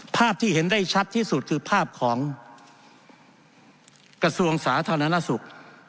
ภาพที่เห็นได้ชัดที่สุดคือภาพของกระทรวงสาธารณสุข